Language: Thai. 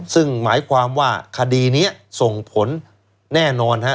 ซึ่งหมายความว่าคดีนี้ส่งผลแน่นอนฮะ